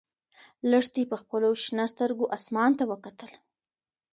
لښتې په خپلو شنه سترګو اسمان ته وکتل.